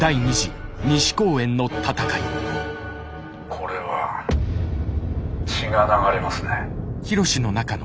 「これは血が流れますね」。